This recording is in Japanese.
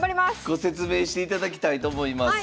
ご説明していただきたいと思います。